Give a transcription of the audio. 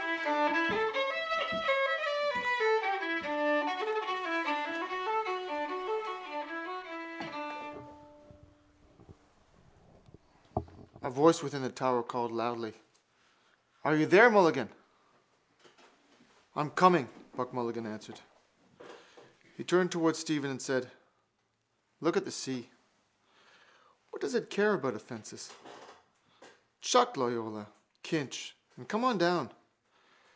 A voice within the tower called loudly: —Are you up there, Mulligan? —I'm coming, Buck Mulligan answered. He turned towards Stephen and said: —Look at the sea. What does it care about offences? Chuck Loyola, Kinch, and come on down.